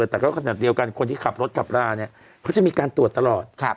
แต่ก็ขนาดเดียวกันคนที่ขับรถขับราเนี่ยเขาจะมีการตรวจตลอด